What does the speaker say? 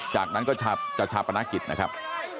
จากนั้นก็จัดชาติประนักกิจนะครับ